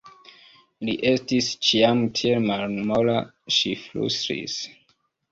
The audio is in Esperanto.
Li estis ĉiam tiel malmola, ŝi flustris.